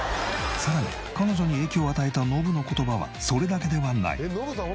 さらに彼女に影響を与えたノブの言葉はそれだけではない。